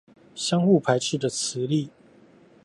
相互排斥的磁力